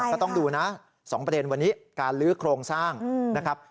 ก็ต้องดูนะ๒ประเด็นวันนี้การลื้อโครงสร้างนะครับ